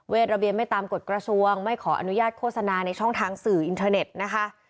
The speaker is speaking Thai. ระเบียนไม่ตามกฎกระทรวงไม่ขออนุญาตโฆษณาในช่องทางสื่ออินเทอร์เน็ตนะคะ